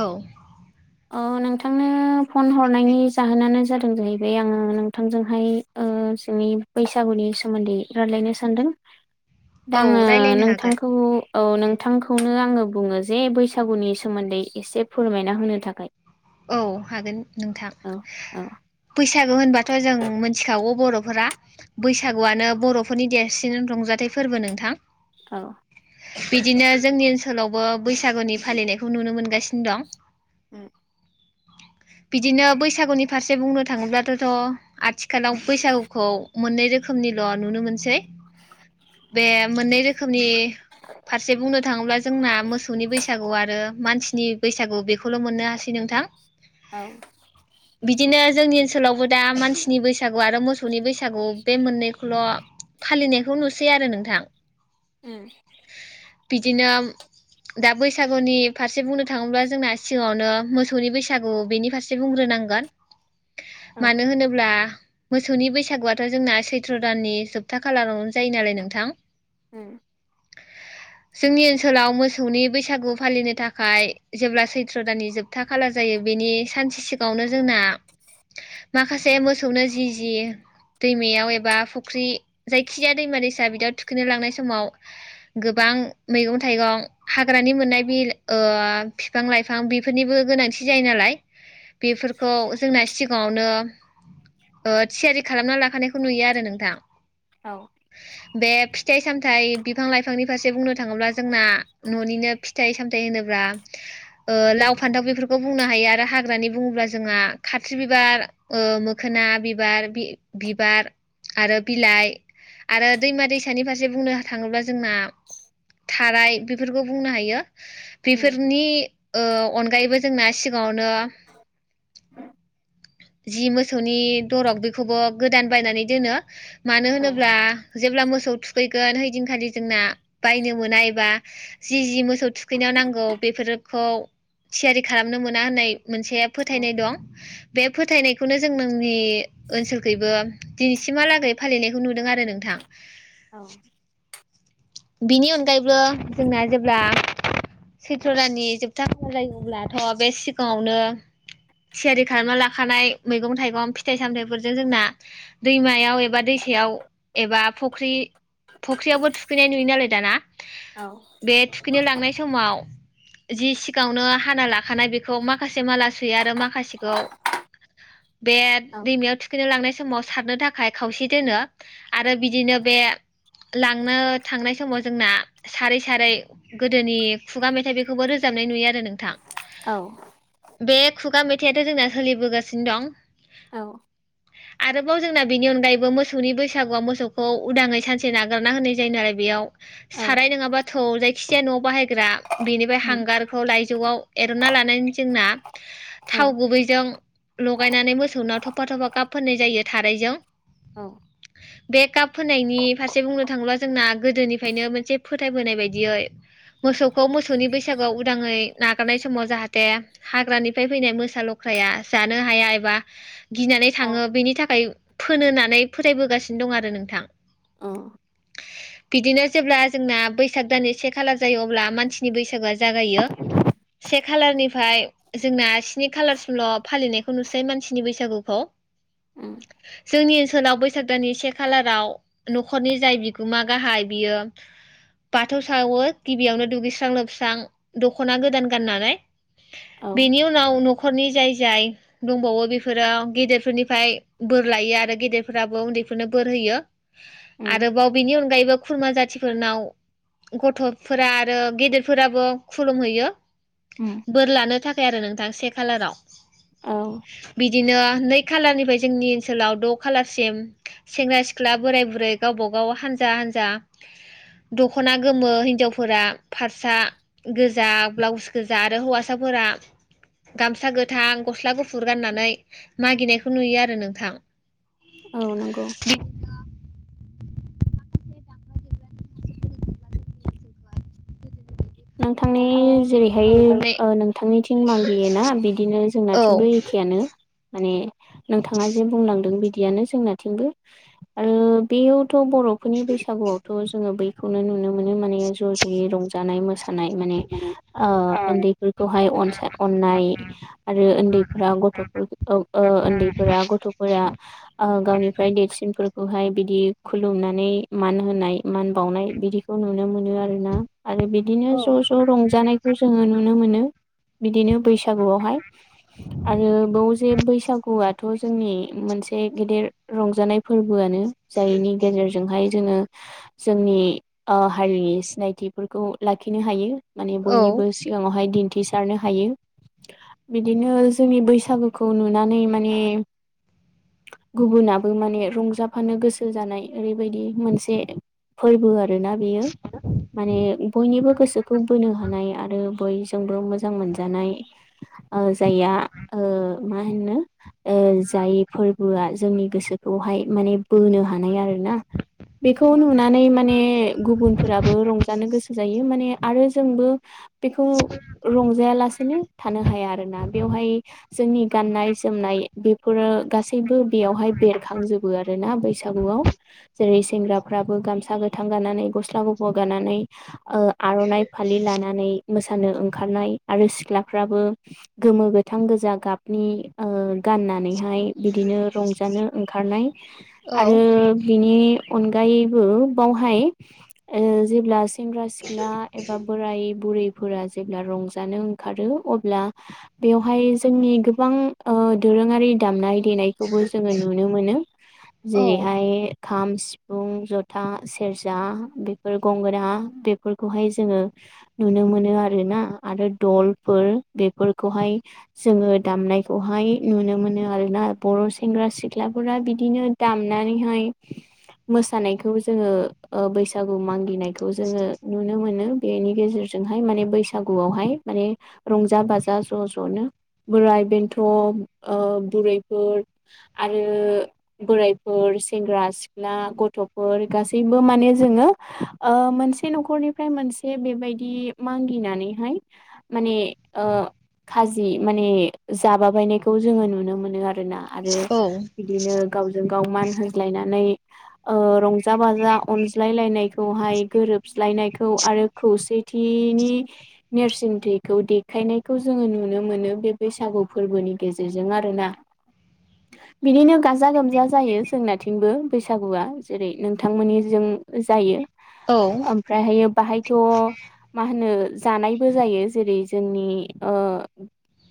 औ औ अ नोंथांनो फन हरनायनि जाहोनानो जादों जाहैबाय आङो नोंथांजोंहाय ओ जोंनि बैसागुनि सोमोन्दै रायलायनो सानदों। औ दा आङो रायलायनो हागोन नोंथांखौ औ नोंथांखौनो आङो बुङो जे बैसागुनि सोमोन्दै एसे फोरमायना होनो थाखाय औ हागोन नोंथां। औ औ बैसागु होनबाथ' जों मिथिखागौ बर'फोरा बैसागुआनो बर'फोरनि देरसिन रंजाथाइ फोरबो नोंथां। औ बिदिनो जोंनि ओनसोलावबो बैसागुनि फालिनायखौ नुनो मोनगासिनो दं। [inaudible] [inaudible] बिदिनो बैसागुनि फारसे बुंनो थाङोब्लाथ'थ' आथिखालाव बैसागुखौ मोननै रोखोम रोखोमनिल' नुनो मोनसै। बे मोननै रोखोमनि फारसे बुंनो थाङोब्ला जोंना मोसौनि बैसागु आरो। मानसिनि बैसागु बेखौल' मोननो हासै नोंथां औ उम बिदिनो जोंनि ओन सोलावबो दा मानसिनि बैसागु आरो मोसौनि बैसागु बे मोननैखौल' फालिनायखौ नुसै आरो नोंथां। उम बिदिनो दा बैसागुनि फारसे बुंनो थाङोब्ला जोंना सिगाङावनो मोसौनि बैसागु बेनि फारसे बुंग्रोनांगोन औ मानो होनोब्ला मोसौनि बैसागुआथ' जोंना सैथ्र' दाननि जोबथा खालारावनो जायो नालाय नोंथां। उम [inaudible] जोंनि ओनसोलाव मोसौनि बैसागु फालिनो थाखाय जेब्ला सैथ्र' दाननि जोब था खालार जायो बेनि सानसे सिगाङावनो जोंना माखासे मोसौनो जि जि दैमायाव एबा फुख्रि जायखिजाया दैमा दैसा बिदियाव थुखैनो लांनाय समाव गोबां बां मैगं थाइगं हाग्रानि मोननाय बिल ओ फिफां लाइफां बिफ फोरनिबो गोनांथि जायो नालाय बेफोरखौ जोंना सिख गाङावनो ओ थियारि खालामना लाखानायखौ नुयो आरो नोंथां। बे फिफ फिथाइ सामथाइ बिफां लाइफांनि फारसे बुंनो थाङोब्ला जोंना न'निनो फिथाइ सामथाइ होनोब्ला ओ लाव फान्थाव बेफोरखौ बुंनो हायो आरो हाग्रानि बुङोब्ला जोंहा खाथ्रि बिबार ओ मोखोना बिबार। आरो बि बिबार आरो बिलाइ आरो दैमा दैसानि फारसे बुंनो थाङोब्ला जोंना थाराय बेफोरखौ बुंनो हायो उम बेफोरनि ओ अनगायैबो जोंना सिगाङावनो जि मोसौनि दरग बेखौबो गोदान बायनानै दोनो। मानो औ होनोब्ला जेब्ला मोसौ थुखैगोन हैदिनखालि जोंना बायनो मोना एबा जि जि मोसौ थुखैनायाव नांगौ बेफोर रोखौ थियारि खालामनो मोना होननाय मोनसे उम फोथायनाय दं। बे फोथायनायखौनो जों नोंनि ओनसोलखैबो दिनैसिमहालागै फालिनायखौ नुदों आरो नोंथां। [unintelligible] औ। बिनि अनगायैबो जोंना जेब्ला सैथ्र' दाननि जोबथा खालार जायो अब्लाथ' बे सिगाङावनो थियारि खालामना लाखानाय मैगं थाइगं फिथाइ सामथायाइफोरजों जोंना दैमायाव एबा दैसा थेयाव एबा फख्रि फख्रियावबो थु थुखैनाय नुयो नालाय दाना औ बे थुखैनो लांनाय समाव जि सिगाङावनो हाना लाखानाय बेखौ माखासे माला सुयो आरो माखासेखौ बे दैमायाव थुखैनो लांनाय समाव सारनो थाखाय खावसे दोनो आरो बिदिनो बे बे लांनो थांनाय समाव जोंना सारै सारै गोदोनि खुगा मेथाइ बेखौबो रोजाबनाय नुयो आरो नोंथां। औ। बे खुगा मेथाइआथ' जोंना सोलिबोगासिनो दं। आरोबाव जोंना बिनि अनगायैबो मोसौनि बैसागुआव मोसौखौ उदाङै सानसे नागारना होनाय जायो नालाय बेयाव औ साराय नोङाबा थौ जायखिजाया न'आव बाहायग्रा बेनिफ्राय उम हांगारखौ लाइजौआव एरनना लानानै जोंना- औ थाव गुबैजों लगायनानै मोसौनाव थफा थफा गाब फोननाय जायो थारैजों। औ बेकाप होनायनि फारसे बुंनो थाङोब्ला जोंना गोदोनिफ्रायनो मोनसे फोथायबोनाय बायदियै मोसौखौ मोसौनि बैसागोआव उदाङै नागारनाय समाव जाहाथे हाग्रानिफ्राय फैनाय मोसा लख्राया जानो हाया एबा गिनानै औ थाङो बेनि थाखाय फोनो होननानै फोथायबोगासिनो दं आरो नोंथां। उम बिदिनो जेब्ला जोंना बैसाग दाननि से खालार जायो अब्ला मानसिनि बैसागोआ जागायो। से खालारनिफ्राय जोंना स्नि खालारसिमल' फालिनायखौ नुसै मानसिनि बैसागुखौ। जोंनि ओनसोलाव बैसाग दाननि से खालाराव न'खरनि जाय बिगोमा गाहाय बियो बाथौ सावो गिबियावनो दुगैस्रां लोबस्रां दख'ना गोदान गाननानै। औ बेनि उनाव न'खरनि जाय जाय दंबावो बेफोरो गेदेरफोरनिफ्राय बोर लायो आरो गेदेरफोराबो उन्दैफोरनो बोर होयो। उम आरोबाव बेनि अनगायैबो खुरमा जातिफोरनाव गथ'फोरा आरो गेदेरफोराबो खुलुमहैयो। उम बोर लानो थाखाय आरो नोंथां से खालाराव औ बिदिनो नै खालारनिफाय जोंनि ओनसोलाव द' खालारसिम सेंग्रा सिख्ला बोराय बुरै गावबा गाव हानज जा हानजा दख'ना गोमो हिनजावफोरा फारसा गोजा ब्लाउस गोजा आरो हौवासाफो फोरा गामसा गोथां गस्ला गुफुर गाननानै मागिनायखौ नुयो आरो नोंथां। औ नंगौ। नोंथांनि जेरैहाय ओ नोंथांनिथिं मांगियोना बिदिनो औ जोंनाथिंबो औ एखेयानो। माने नोंथाङा जे बुंलांदों बिदियानो जोंनाथिंबो ओ बेयाव थ' बर'फोरनि बैसागुआवथ' जोङो बैखौनो नुनो मोनो माने ज' ज'यै रंजानाय मोसा नाय माने ओ ओन्दैफोरखौ हाय अनसा अननाय आरो उन्दैफोरा ग गथ'फोर औ ओ ओन्दैफोरा गथ'फोरा ओ गावनिफ्राय देरसिनफोरखौहाय बिदि खुलुमनानै मान होनाय मान बावनाय बिदिखौ नुनो मोन नो आरो ना आरो बेदिनो ज' ज' रंजानायखौ जोङो नुनो मोनो। बिदिनो बैसागुआवहाय आरो बाव जे बैसागुवा थ' जों जोङो जोंनि ओ हारि सिनायथिफोरखौ लाखिनो हायो। माने बयनिबो सिगाङावहाय दिन्थिसारनो हायो। बिदिनो जोंनि बैसागोखौ नुनानै माने गुबुनाबो माने रंजाफानो गोसो जानाय ओरैबायदि मोनसे फोरबो आरोना बेयो माने बयनिबो सोखौ बोनो हानाय आरो बैयजोंबो मोजां मोनजानाय ओ जाया ओ मा होननो ओ जाय फोरबोआ जोंनि गोसोखौहाय माने बोनो हानाय आरो ना बेखौ नुनानै माने गुबुनफोराबो रंजानो गोसो जायो माने आरो जोंबो बेखौ रंजाया लासेनो थानो हाया आरोना बेवहाय जोंनि गाननाय जोमनाय बेफोरो गासैबो बेयावहाय बेरखांजोबो आरोना बैसागुआव। जेरै सेंग्राफ्राबो गामसा गोथां गानानै गस्ला गुफुर गानानै ओ आर'नाइ फालि लानानै मोसानो ओंखारनाय आरो सिख्लाफ्राबो गोमो गोथां गोजा गाबनि ओ गा गाननानैहाय बिदिनो रंजानो ओंखारनाय आरो बिनि अनगायैबो बावहाय ओ जेब्ला सेंग्रा सिख क्ला एबा बोराय बुरैफोरा जेब्ला रंजानो ओंखारो अब्ला बेवहाय [unintelligible] जोंनि गोबां ओ दोरोङारि दामनाय देनायखौबो जोङो नुनो मोनो औ औ जेरैहाय खाम सिफुं ज'था सेरजा बेफोर गंगोना बेब फोरखौहाय जोङो नुनो मोनो आरोना आरो दलफोर बेफोरखौहाय जोङो दामनायखौहाय नुनो मोनो आरोना बर' सेंग्रा सिख्लाफोरा बिदिनो दाम नानैहाय मोसानायखौ जोङो ओ बैसागु मांगिनायखौ जोङो नुनो मोनो बेनि गेजेरजोंहाय माने बैसागुआवहाय माने रंजा बाजा ज' ज'नो बोराय बेन्थ' ओ बुरैफोर आरो बोरायफोर सेंग्रा सिख्ला गथ'फोर गासैबो माने जोंङो ओ मोनस से न'खरनिफ्राय मोनसे बेबायदि मांगिनानैहाय माने ओ खाजि माने जाबा बायनायखौ जोङो नुनो मोनो आ [unintelligible] रोना आरो औ बिदिनो गावजों गाव मान होज्लायनै ओ रं ज जा बाजा अनज्लायलायनायखौहाय गोरोब फिस्लायनायखौ आरो खौसेथिनि नेरसिनथिखौ देखायनायखौ जोङो नु नुनो मोनो बे बैसागु फोरबोनि गेजेरजों आरोना बिदिनो गाजा गोमजा जायो जोंनाथिंबो बैसागुआ जेरै नोंथांमोननि जों जायो। औ ओमफ्रायहायो बाहायथ' मा होनो। जानायबो जायो जेरै जोंनि ओ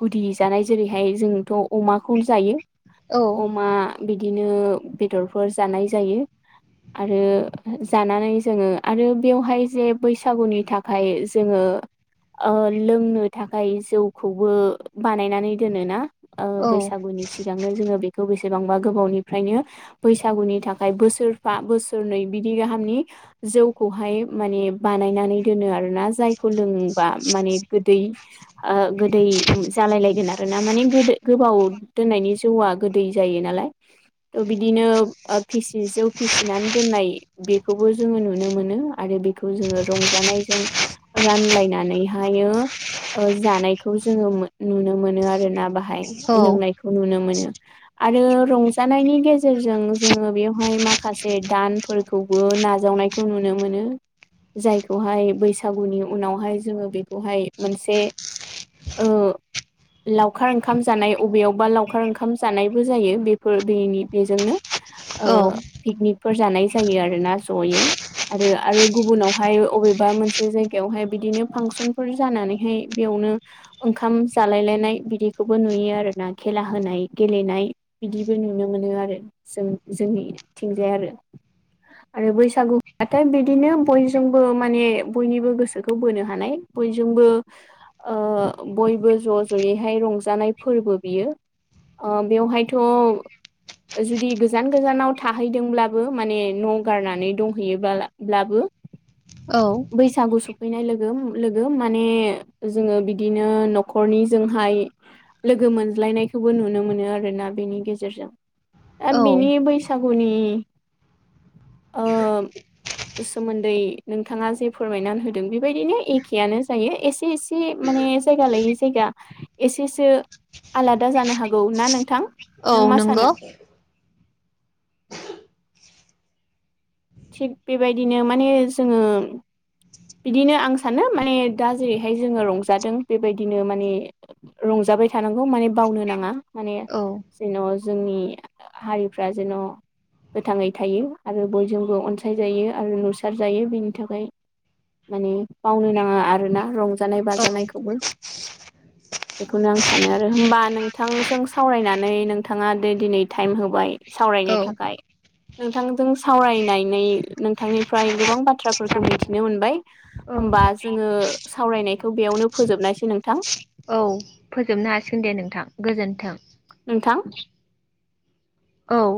गुदि जानाय जेरैहाय जोंथ' अमाखौनो जायो अमा बिदि बिदिनो बेदरफोर जानाय जायो आरो जानानै जोङो आरो बेवहाय जे बैसागुनि थाखाय जोङो। ओ लोंनो थाखाय जौखौबो बानायनानै दोनोना। ओ बैसागुनि सिगांनो जोङो बे बेसेबांबा गोबावनिफ्रायनो बैसागुनि थाखाय बोसोरफा बोसोरनै बिदि गाहामनि जौखौहाय माने बानायनानै दोनो आरोना जायखौ लोंबा माने गोदै ओ गोदै जालाय लायगोन आरो ना माने गोदो गोबाव दोननायनि जौआ गोदै जायो। नालाय बिदिनो फिसि फिसिनानै दोननाय बेखौ जोङो नुनो मोनो। आरो बेखौ जोङो रंजानायजों रानायनानैहायो ओ जानाय खौ जोङो नुनो मोनो आरो ना बाहाय लोंनायखौ नुनो मोनो। [inaudible] आरो रंजानायनि गेजेरजों जोङो बेवहाय माखासे दानफोरखौबो ना जावनायखौ नुनो मोनो। जायखौहाय बैसागुनि उनावहाय जोङो बेखौहाय मोनसे ओ लावखार ओंखाम जानाय अबेयावबा लावखार ओंखाम जानायबो जायो बेफोर बेनि बेजोंनो। ओ पिकनिकफोर जानाय जायो आरोना जयै। आरो आरो गुबुनावहाय अबेबा मोनसे जायगायावहाय बिदिनो फांसनफोर जानानैहाय बेयाव नो ओंखाम जालायलायनाय बिदिखौबो नुयो आरोना खेला होनाय गेलनाय बि बिदिबो नुनो मोनो आरो जों जोंनिथिंजाय आरो आरो बैसागुथाय बिदिनो बयजोंबो माने बयनिबो गोसोखौ बोनो हानाय बयजोंब बो ओ बयबो ज' ज'यैहाय रंजानाय फोरबो बियो ओ बेवहायथ' जुदि गोजान गोजानाव थाहैदोंब्लाबो माने न' गारनानै दंहैयोब्लाबो औ बैसागु स फैनाय लोगो लोगो माने जोङो बिदिनो न'खरनिजोंहाय लोगो मोनज्लायनायखौबो नुनो मोनो आरोना बेनि गेजेरजों औ बिनि बैसागुनि ओ [inaudible] सोमोन्दै नोंथांङा जे फोरमायनानै होदों बेबायदिनो एखेआनो जायो एसे एसे म माने जायगा लायै जायगा एसेसो आलादा जानो हागौ ना नोंथां। औ नों मा नोंगौ। सानो थिग बेबायदिनो माने जोङो बिदिनो आं सानो माने दा जेरैहाय जोङो रंजादों। बेबायदिनो माने रं जाबाय थानांगौ माने बावनो नाङा माने औ जेन' जोंनि हारिफ्रा जेन' गोथाङै थायो आरो बयजों बो अनसायजायो आरो नुसार जायो बेनि थाखाय माने मावनो नाङा आरोना रंजानाय बाजानायखौबो। [inaudible] बेखौनो आं सानो आरो होनबा नोंथांजों सावरायनानै नोंथाङा दा दिनै टाइम होबाय। सावरायनो औ थाखाय नोंथांजों सावरायनाय नै नोंथांनिफ्राय गोबां बाथ्राफोरखौ औ मिथिनो मोनबाय। औ होमबा जोङो सावरायनायखौ बेयावनो फोजोबनायसै नोंथां। औ फोजोबनो हासिगोन दे नोंथां गोजोन्थों। नोंथां औ।